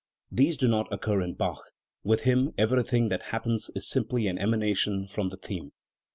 These do not occur in Bach; with him everything that "happens" is simply an emanation from the theme.